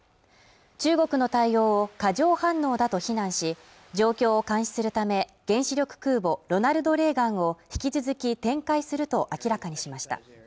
中国の対応を過剰反応だと非難し状況を監視するため原子力空母「ロナルド・レーガン」を引き続き展開すると明らかにしました